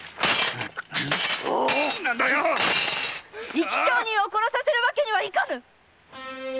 ・生き証人を殺させるわけにはいかぬ！